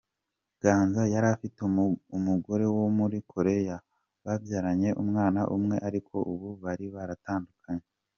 Ganza yari afite umugore wo muri Korea babyaranye umwana umwe ariko ubu bari baratandukanye.